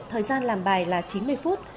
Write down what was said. thời gian làm bài là chín mươi phút